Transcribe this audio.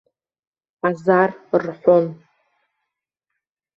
Азар рҳәон.